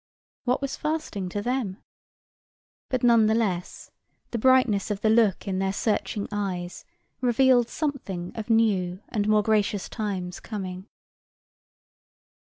What was fasting to them? But nonetheless the brightness of the look in their searching eyes revealed something of new and more gracious times coming.